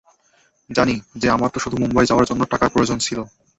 জানি, যে আমার তো শুধু মুম্বাই যাওয়ার জন্যে টাকার প্রয়োজন ছিলো।